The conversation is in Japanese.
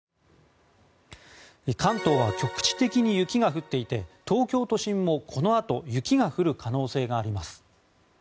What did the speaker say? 関東は局地的に雪が降っていて東京都心もこのあと雪が降る可能性があります。